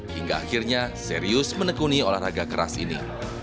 hingga akhirnya serius menekuni olahraga keras ini